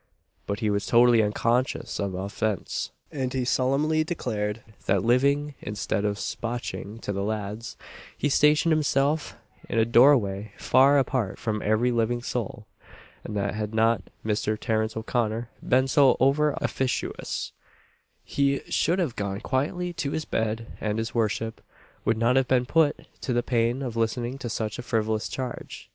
But he was totally unconscious of offence, and he solemnly declared that instead of "spaching to the lads," he stationed himself in a door way far apart from every living soul; and had not Mr. Terence O'Connor been so over officious, he should have gone quietly to his bed, and his worship would not have been put to the pain of listening to such a frivolous charge.